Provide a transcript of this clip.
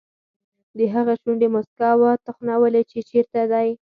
د هغه شونډې موسکا وتخنولې چې چېرته دی.